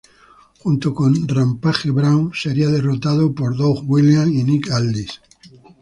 Luego, junto con Rampage Brown, serían derrotados por Doug Williams y Nick Aldis.